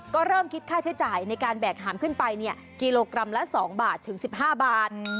ก็เริ่มคิดค่าใช้จ่ายในการแบกหามขึ้นไปกิโลกรัมละ๒บาทถึง๑๕บาท